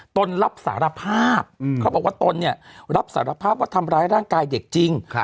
ตนรับสารภาพเขาบอกว่าตนเนี่ยรับสารภาพว่าทำร้ายร่างกายเด็กจริง